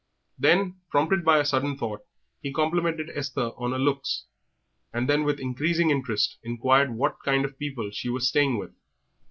Then, prompted by a sudden thought, he complimented Esther on her looks, and then, with increasing interest, inquired what kind of people she was staying with.